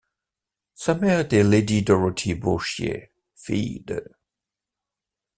Sa mère était Lady Dorothy Bourchier, fille d'.